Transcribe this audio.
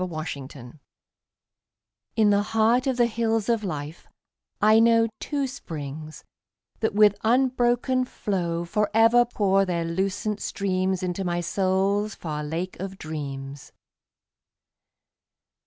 My Springs In the heart of the Hills of Life, I know Two springs that with unbroken flow Forever pour their lucent streams Into my soul's far Lake of Dreams.